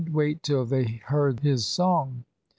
Wait till they heard his song.